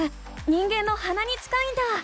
人間のはなに近いんだ！